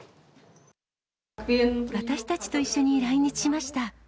私たちと一緒に来日しました。